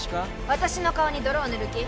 私の顔に泥を塗る気？